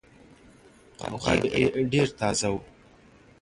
غږ يې ډېر تازه وو.